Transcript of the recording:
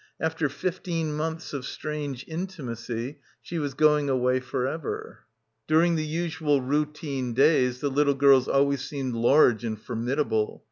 After fifteen months of strange intimacy she was going away for ever. During the usual routine days the little girls always seemed large and formidable.